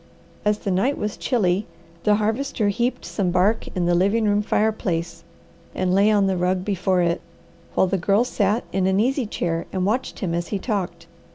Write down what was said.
As the night was chilly, the Harvester heaped some bark in the living room fireplace, and lay on the rug before it, while the Girl sat in an easy chair and watched him as he talked.